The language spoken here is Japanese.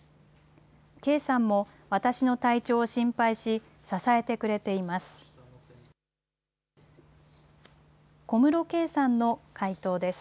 圭さんも、私の体調を心配し、支えてくれています。